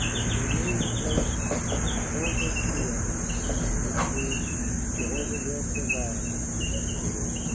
And he named the place Jehovah jireh, which means, "Jehovah will Provide."